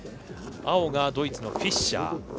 青がドイツのフィッシャー。